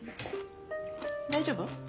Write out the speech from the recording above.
大丈夫？